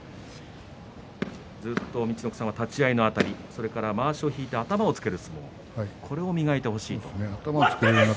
ずっと陸奥さんは立ち合いのあたりそれからまわしを引いて頭をつける相撲を磨いてほしいと。